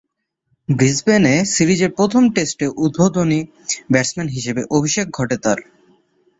ব্রিসবেনে সিরিজের প্রথম টেস্টে উদ্বোধনী ব্যাটসম্যান হিসেবে অভিষেক ঘটে তার।